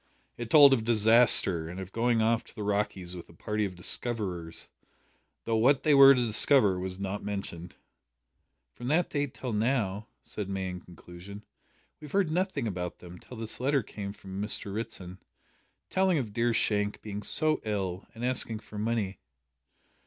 It told of disaster, and of going off to the "Rockies" with a party of "discoverers," though what they were to discover was not mentioned. "From that date till now," said May in conclusion, "we have heard nothing about them till this letter came from Mr Ritson, telling of dear Shank being so ill, and asking for money."